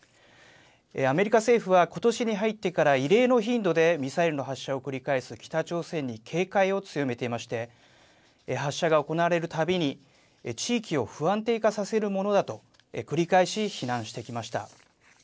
アメリカ政府はことしに入ってから異例の頻度でミサイルの発射を繰り返す北朝鮮に警戒を強めていまして、発射が行われるたびに、地域を不安定化させるものだと、繰り返し非難してきました。